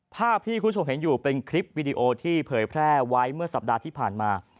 ภาพที่คุณผู้ชมเห็นอยู่เป็นคลิปวิดีโอที่เผยแพร่ไว้เมื่อสัปดาห์ที่ผ่านมา